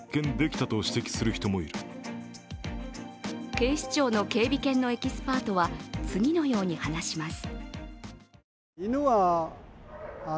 警視庁の警備犬のエキスパートは次のように話します。